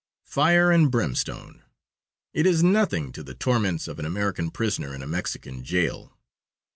Fire and brimstone! It is nothing to the torments of an American prisoner in a Mexican jail.